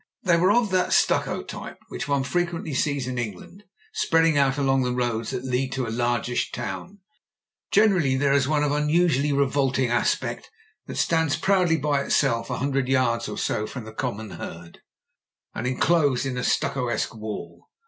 They were of that stucco type which one frequently sees in England spreading out along the roads that lead to a largish town. Generally there is one of unusually revolting aspect that stands proudly by itself a hun dred yards or so from the common herd and enclosed in a stuccoesque wall.